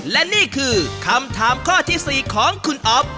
และนี่คือคำถามข้อที่๔ของคุณอ๊อฟ